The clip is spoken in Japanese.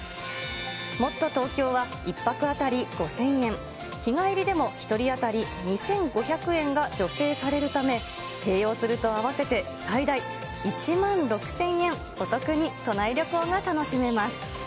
もっとＴｏｋｙｏは１泊当たり５０００円、日帰りでも１人当たり２５００円が助成されるため、併用すると合わせて最大１万６０００円お得に都内旅行が楽しめます。